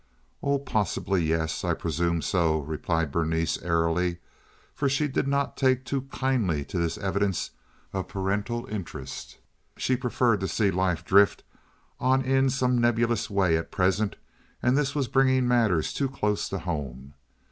"Oh, possibly—yes, I presume so," replied Berenice, airily, for she did not take too kindly to this evidence of parental interest. She preferred to see life drift on in some nebulous way at present, and this was bringing matters too close to home.